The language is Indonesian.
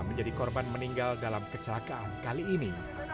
menjadi korban meninggal dalam kecelakaan kali ini